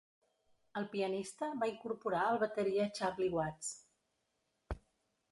El pianista va incorporar al bateria Charlie Watts.